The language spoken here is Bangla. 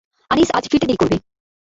আনিস আজ ফিরতে দেরি করবে।